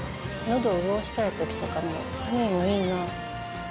喉を潤したい時とかもハニーもいいな。